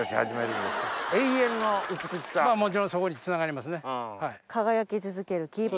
もちろんそこにつながりますね。